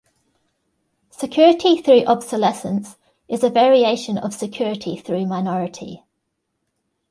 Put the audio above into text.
Security through obsolescence is a variation of security through minority.